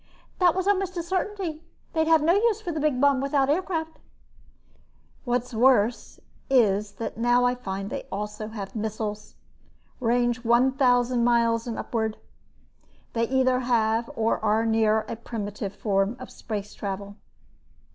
"That was almost a certainty. They'd have no use for the big bomb without aircraft." "What's worse is that I now find they also have missiles, range one thousand miles and upward. They either have or are near a primitive form of space travel."